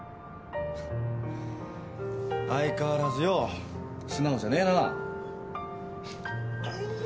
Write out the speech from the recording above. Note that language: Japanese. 相変わらずよ素直じゃねえな。